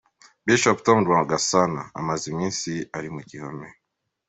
Bishop Tom Rwagasana amaze iminsi ari mu gihome.